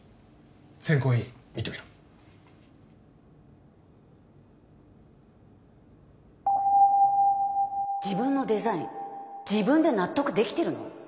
選考委員見てみろ自分のデザイン自分で納得できてるの？